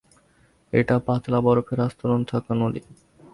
এটা পাতলা বরফের আস্তরণ থাকা নদী।